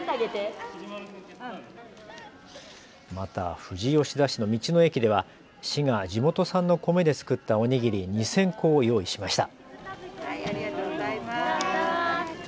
また富士吉田市の道の駅では市が地元産の米で作ったおにぎり２０００個を用意しました。